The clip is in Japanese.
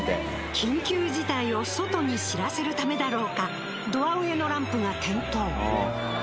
緊急事態を外に知らせるためだろうかドア上のランプが点灯。